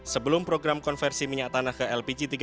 sebelum program konversi minyak tanah ke lpg tiga kg